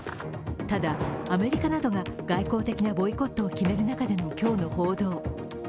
ただ、アメリカなどが外交的なボイコットを決める中での今日の報道。